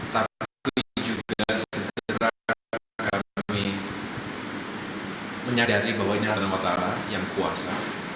tapi juga segera kami menyadari bahwa ini adalah matahala yang kuasa